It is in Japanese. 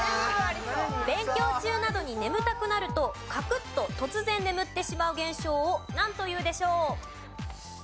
勉強中などに眠たくなるとカクッと突然眠ってしまう現象をなんというでしょう？